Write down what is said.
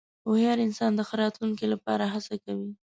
هوښیار انسان د ښه راتلونکې لپاره هڅه کوي.